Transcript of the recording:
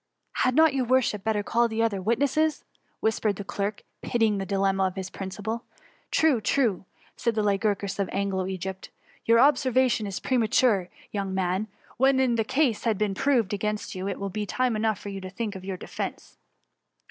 *^ Had not your worship better call the other witnesses?^' whispered the derk, pitying the dilemma of his principal. << True, true T said the Lycurgus of Anglo Egypt ;^^ your observation is premature, young man; when the ca$»e has been proved against yaUf it will be time enough for you to think of your defence.'